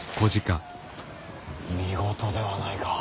見事ではないか。